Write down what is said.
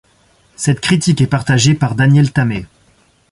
Cette critique est partagée par Daniel Tammet.